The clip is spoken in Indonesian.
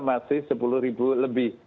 masih sepuluh ribu lebih